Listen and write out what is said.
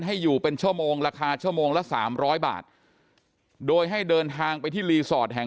ให้อยู่เป็นชั่วโมงราคาชั่วโมงละสามร้อยบาทโดยให้เดินทางไปที่รีสอร์ทแห่ง